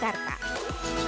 kisah kisah kisah